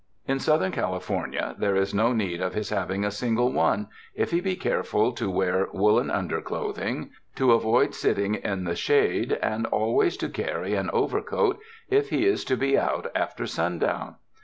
In Southern California, there is no need of his hav ing a single one, if be be careful to wear woolen un derclothing, to avoid sitting in the shade, and always to carry an overcoat if he is to be out after sundown.